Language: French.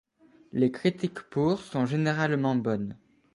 Les critiques pour sont généralement bonnes.